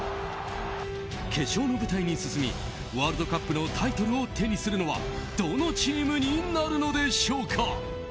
決勝の舞台に進みワールドカップのタイトルを手にするのはどのチームになるのでしょうか。